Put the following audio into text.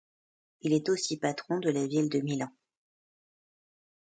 Il est aussi patron de la ville de Milan.